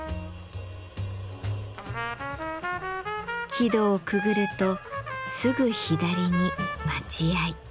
木戸をくぐるとすぐ左に「待合」。